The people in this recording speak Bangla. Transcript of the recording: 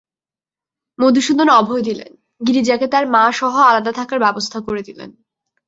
মধুসূদন অভয় দিলেন, গিরিজাকে তাঁর মাসহ আলাদা থাকার ব্যবস্থা করে দিলেন।